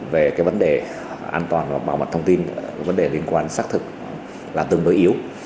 về cái vấn đề an toàn và bảo mật thông tin vấn đề liên quan xác thực là tương đối yếu